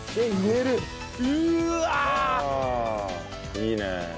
いいね。